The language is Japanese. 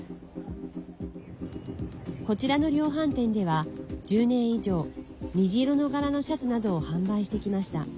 こちらの量販店では１０年以上虹色の柄のシャツなどを販売してきました。